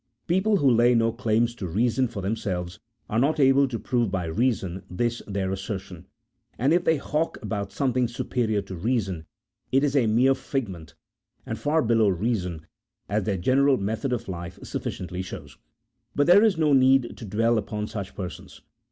People who lay no claims to reason for themselves, are not able to prove by reason this their assertion ; and if they hawk about some thing superior to reason, it is a mere figment, and far below reason, as their general method of life sufficiently shows. But there is no need to dwell upon such persons.